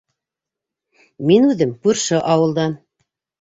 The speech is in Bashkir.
Мин үҙем күрше ауылдан.